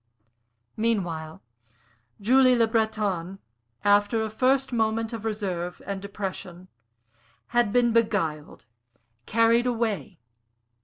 Meanwhile, Julie Le Breton, after a first moment of reserve and depression, had been beguiled, carried away.